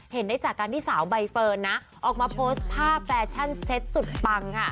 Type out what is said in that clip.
เห็นได้จากการที่สาวใบเฟิร์นนะออกมาโพสต์ภาพแฟชั่นเซ็ตสุดปังค่ะ